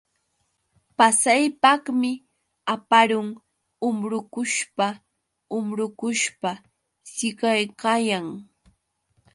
Pasaypaqmi aparun umbrukushpa umbrukushpa siqaykayan.